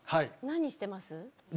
何してます？